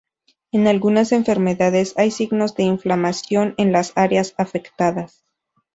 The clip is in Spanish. En algunas enfermedades hay signos de inflamación en las áreas afectadas.